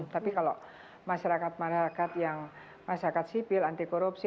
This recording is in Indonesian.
tapi kalau masyarakat masyarakat yang masyarakat sipil anti korupsi